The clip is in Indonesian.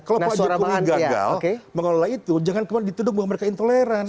kalau pak jokowi gagal mengelola itu jangan kemudian dituduh bahwa mereka intoleran